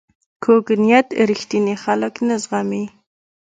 کوږ نیت رښتیني خلک نه زغمي